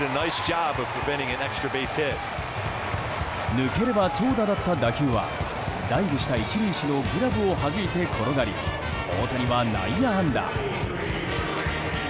抜ければ長打だった打球はダイブした一塁手のグラブをはじいて転がり大谷は内野安打。